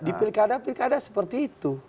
di pilkada pilkada seperti itu